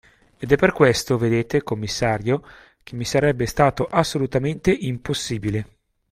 Ed è per questo, vedete, commissario, che mi sarebbe stato assolutamente impossibile.